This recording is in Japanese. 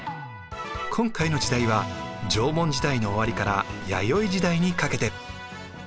今回の時代は縄文時代の終わりから弥生時代にかけて。